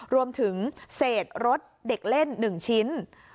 รวมถึงเศษรถเด็กเล่น๑ชิ้น